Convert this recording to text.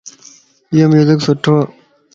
ايو ميوزڪ سٺو ائي